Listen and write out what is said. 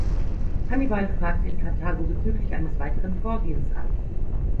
Hannibal fragte in Karthago bezüglich eines weiteren Vorgehens an.